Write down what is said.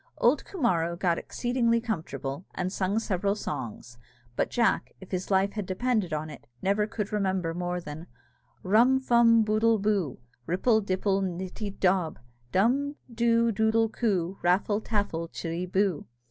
Old Coomara got exceedingly comfortable, and sung several songs; but Jack, if his life had depended on it, never could remember more than "_Rum fum boodle boo, Ripple dipple nitty dob; Dumdoo doodle coo, Raffle taffle chittiboo!